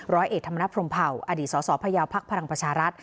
ร้อยเอกธรรมนพรมเผาอดีตสสพยาวพักพลังประชารัฐ